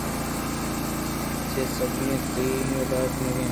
ن چہ سباھی تا انی تئی ودار کنگ ءَ آں